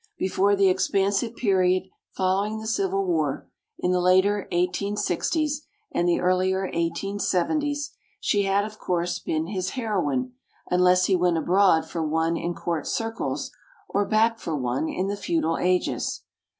Before the expansive period following the Civil War, in the later eighteen sixties and the earlier eighteen seventies, she had of course been his heroine, unless he went abroad for one in court circles, or back for one in the feudal ages.